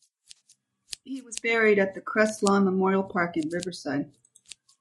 He was buried at the Crestlawn Memorial Park in Riverside.